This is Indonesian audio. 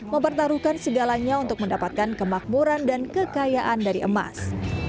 mempertaruhkan segalanya untuk mendapatkan kemakmuran dan kekayaan dari emas